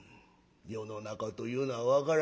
世の中というのは分からんもんじゃ。